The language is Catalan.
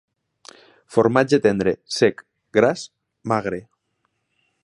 Formatge tendre, sec, gras, magre.